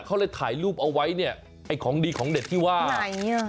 เขาเลยถ่ายรูปเอาไว้เนี่ยไอ้ของดีของเด็ดที่ว่าไหนอ่ะ